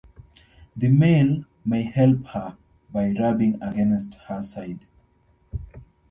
The male may help her by rubbing against her side.